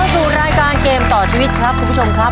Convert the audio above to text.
สู่รายการเกมต่อชีวิตครับคุณผู้ชมครับ